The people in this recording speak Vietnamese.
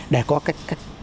để có các